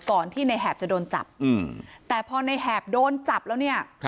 ก่อนที่ในแหบจะโดนจับแต่พอในแหบโดนจับแล้วเนี่ย